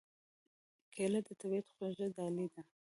کېله د طبیعت خوږه ډالۍ ده.